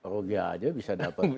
rugi aja bisa dapat